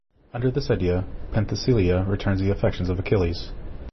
Under this idea, Penthesilea returns the affections of Achilles.